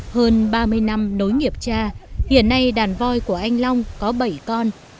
hơn ba mươi năm đối nghiệp cha hiện nay đàn voi của anh long có bảy con